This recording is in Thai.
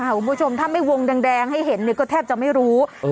คุณผู้ชมถ้าไม่วงแดงแดงให้เห็นเนี่ยก็แทบจะไม่รู้เออ